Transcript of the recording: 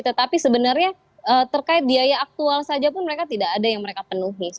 tetapi sebenarnya terkait biaya aktual saja pun mereka tidak ada yang mereka penuhi